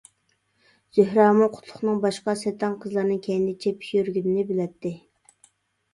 زۆھرەمۇ قۇتلۇقنىڭ باشقا سەتەڭ قىزلارنىڭ كەينىدە چېپىپ يۈرگىنىنى بىلەتتى.